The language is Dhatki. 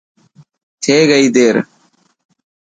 ٿي گئي دير.